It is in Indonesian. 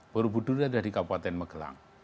buru budur itu ada di kabupaten megelang